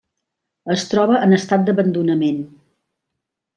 Es troba en estat d'abandonament.